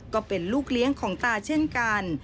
ก็เป็นลูกเลี้ยงของตาเช่นกัน